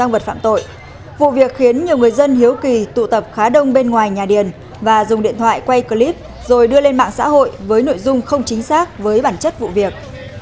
vụ việc khiến nhiều người dân hiếu kỳ tụ tập khá đông bên ngoài nhà điền và dùng điện thoại quay clip rồi đưa lên mạng xã hội với nội dung không chính xác với bản chất vụ việc